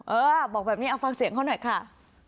เออบอกแบบนี้เอาฟังเสียงเขาหน่อยค่ะ